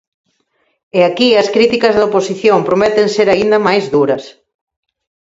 E aquí as críticas da oposición prometen ser aínda máis duras.